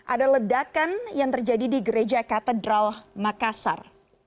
ada ledakan yang terjadi di gereja katedral makassar